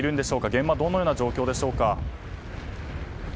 現場はどのような状況でしょうか。